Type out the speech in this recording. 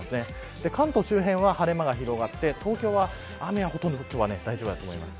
関東周辺は、晴れ間が広がって東京は、雨はほとんど大丈夫だと思います。